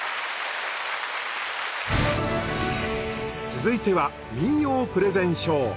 続いては民謡プレゼンショー。